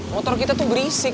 motor kita tuh berisik